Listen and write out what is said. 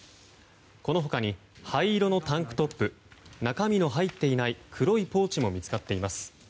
この他に灰色のタンクトップ中身の入っていない黒いポーチも見つかっています。